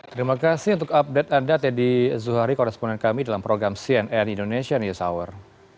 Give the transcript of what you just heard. terima kasih untuk update anda teddy zuhari koresponen kami dalam program cnn indonesia news hour